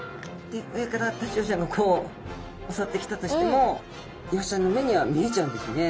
で上からタチウオちゃんがこうおそってきたとしてもイワシちゃんの目には見えちゃうんですね。